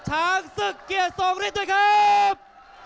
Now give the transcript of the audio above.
ช้างศึกเกียรติทรงฤทธิ์ด้วยครับ